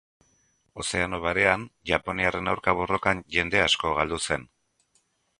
Ozeano Barean, japoniarren aurka borrokan, jende asko galdu zen.